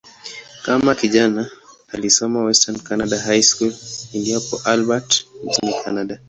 Kama kijana, alisoma "Western Canada High School" iliyopo Albert, nchini Kanada.